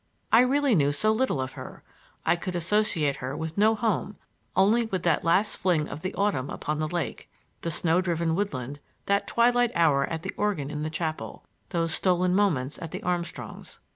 I really knew so little of her; I could associate her with no home, only with that last fling of the autumn upon the lake, the snow driven woodland, that twilight hour at the organ in the chapel, those stolen moments at the Armstrongs'.